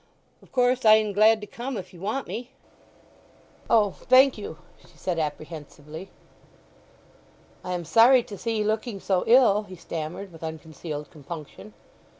Of course I'm glad to come if you want me." "O, thank you," she said apprehensively. "I am sorry to see 'ee looking so ill," he stammered with unconcealed compunction.